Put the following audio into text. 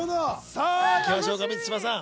さあいきましょうか満島さん